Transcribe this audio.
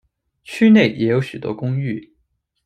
区内也有许多公寓。